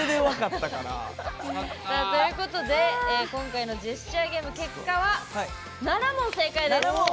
さあということで今回のジェスチャーゲーム結果は７問正解です！